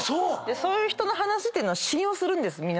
でそういう人の話っていうのは信用するんです